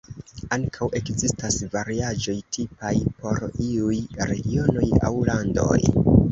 Ankaŭ ekzistas variaĵoj tipaj por iuj regionoj aŭ landoj.